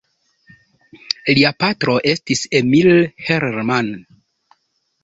Lia patro estis Emil Herrmann.